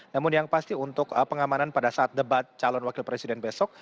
namun yang pasti untuk pengamanan pada saat debat calon wakil presiden besok